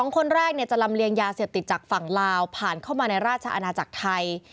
๒คนแรกจะลำเลียงยาเสพติดจากฝั่งลาวผ่านเข้ามาในราชอาณาจักรไทย